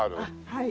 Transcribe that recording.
はい。